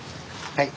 はい。